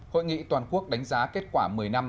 hội nghị toàn quốc đánh giá kết quả một mươi năm